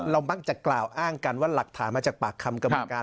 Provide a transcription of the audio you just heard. มักจะกล่าวอ้างกันว่าหลักฐานมาจากปากคำกรรมการ